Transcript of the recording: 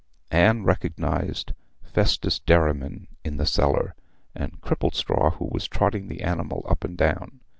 Anne recognized Festus Derriman in the seller, and Cripplestraw was trotting the animal up and down.